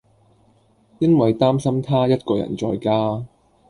因為擔心她一個人在家